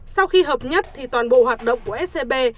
sau khi hợp nhất thì toàn bộ hoạt động của scb